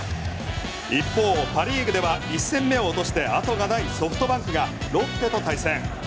一方、パ・リーグでは一戦目を落として後がないソフトバンクがロッテと対戦。